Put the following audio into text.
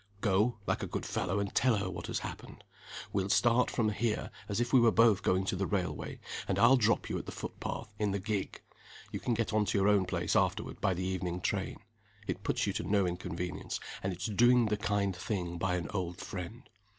"Go, like a good fellow, and tell her what has happened. We'll start from here as if we were both going to the railway; and I'll drop you at the foot path, in the gig. You can get on to your own place afterward by the evening train. It puts you to no inconvenience, and it's doing the kind thing by an old friend.